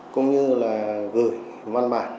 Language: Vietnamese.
cũng như là gửi văn bản